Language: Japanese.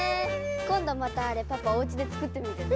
こんどまたあれパパおうちでつくってみるね。